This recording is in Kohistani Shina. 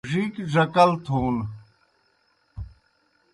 ڙِیک ڙکل تھون